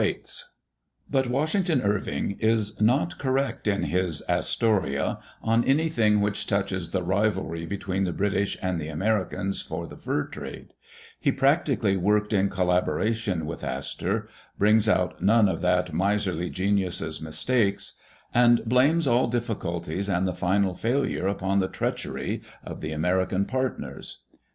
Digitized by VjOOQ IC EARLY DAYS IN OLD OREGON But Washington Irving is not correct in his Astoria on anything which touches the rivalry between the British and the Americans for the fur trade. He practically worked in collaboration with Astor, brings out none of that miserly genius's mistakes, and blames all difficulties and the final failure upon the " treachery " of the Ameri can partners.